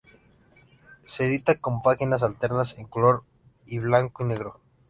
Se edita con páginas alternas en color y blanco y negro.